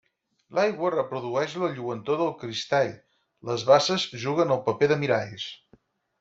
L'aigua reprodueix la lluentor del cristall, les basses juguen el paper de miralls.